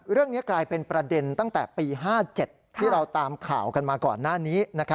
เรื่องนี้กลายเป็นประเด็นตั้งแต่ปี๕๗ที่เราตามข่าวกันมาก่อนหน้านี้